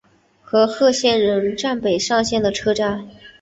和贺仙人站北上线的车站。